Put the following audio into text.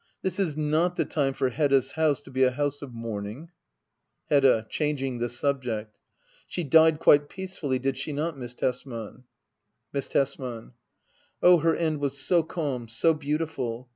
This is not the time for Hedda's house to be a house of mourning. Hedda. [Changing the subject.] She died quite peacefully, did she not. Miss Tesman ? Miss Tesman. Oh, her end was so calm, so beautiful.